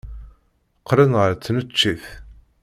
Qqlen ɣer tneččit.